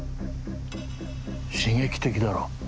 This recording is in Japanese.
刺激的だろ？